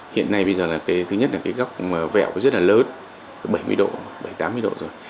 hiện nay bây giờ thứ nhất là góc vẹo rất là lớn bảy mươi độ tám mươi độ rồi